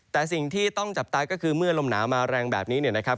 แต่สิ่งที่ต้องจับตาก็คือเมื่อลมหนาวมาแรงแบบนี้เนี่ยนะครับ